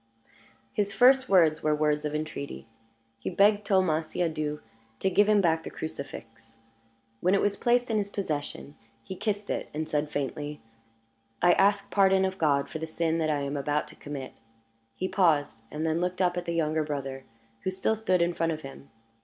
His first words were words of entreaty. He begged Thomas Siadoux to give him back the crucifix. When it was placed in his possession, he kissed it, and said, faintly, "I ask pardon of God for the sin that I am about to commit." He paused, and then looked up at the younger brother, who still stood in front of him.